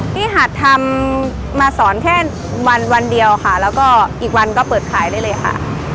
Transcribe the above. หัดทำมาสอนแค่วันวันเดียวค่ะแล้วก็อีกวันก็เปิดขายได้เลยค่ะ